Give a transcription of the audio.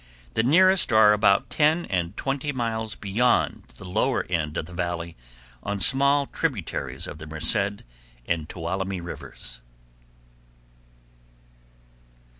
The nearest are about ten and twenty miles beyond the lower end of the valley on small tributaries of the Merced and Tuolumne Rivers.